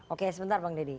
oke sebentar bang dedy